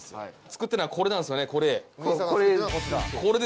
作ってるのはこれなんですよねこれ。